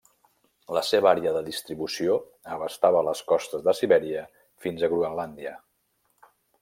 La seva àrea de distribució abastava les costes de Sibèria fins a Groenlàndia.